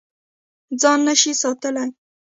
ځان نه شې ساتلی.